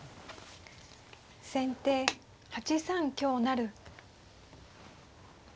先手８三香成。